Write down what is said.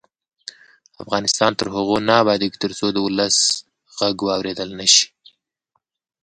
افغانستان تر هغو نه ابادیږي، ترڅو د ولس غږ واوریدل نشي.